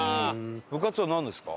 部活はなんですか？